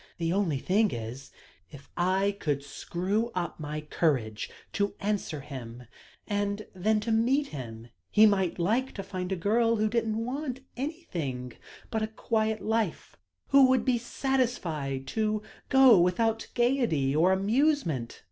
The only thing is if I could screw up my courage to answer him and then to meet him he might like to find a girl who didn't want anything but a quiet home; who would be satisfied to go without gaiety or amusement."